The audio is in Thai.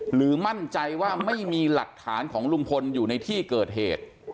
มั่นใจว่าไม่มีหลักฐานของลุงพลอยู่ในที่เกิดเหตุ